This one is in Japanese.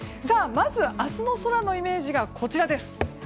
まず、明日の空のイメージがこちらです。